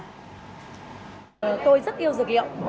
tôi rất yêu dược liệu